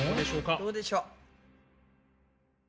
どうでしょう？